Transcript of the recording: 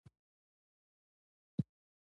له غوجل نه توده ساه راووتله.